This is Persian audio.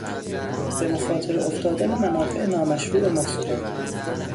به مخاطره افتادن منافع نامشروع مفسدان